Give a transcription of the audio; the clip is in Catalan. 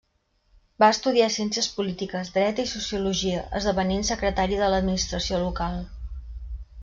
Va estudiar Ciències polítiques, dret i sociologia, esdevenint secretari de l'administració local.